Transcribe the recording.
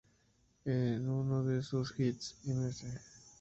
En uno de sus hits, “Ms.